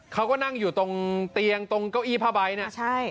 เขาก็นั่งอยู่ตรงเตียงตรงเก้าอี้ผ้าใบเนี่ยใช่